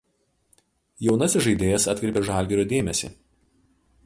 Jaunasis žaidėjas atkreipė „Žalgirio“ dėmesį.